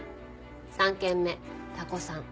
３件目多湖さん